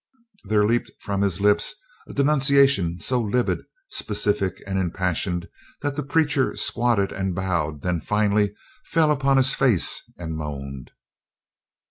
There leapt from his lips a denunciation so livid, specific, and impassioned that the preacher squatted and bowed, then finally fell upon his face and moaned.